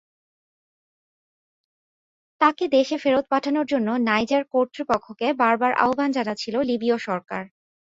তাঁকে দেশে ফেরত পাঠানোর জন্য নাইজার কর্তৃপক্ষকে বারবার আহ্বান জানাচ্ছিল লিবীয় সরকার।